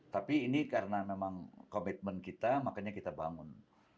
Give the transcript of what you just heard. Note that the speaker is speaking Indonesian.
tapi ini karena memang komitmen kita makanya kita bangun